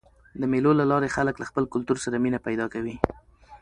د مېلو له لاري خلک له خپل کلتور سره مینه پیدا کوي.